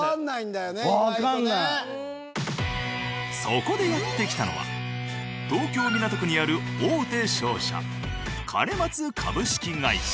そこでやって来たのは東京港区にある大手商社兼松株式会社。